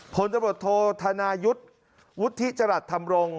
ผลประบบโทษธนายุทธ์วุฒิจรรย์ธรรมรงค์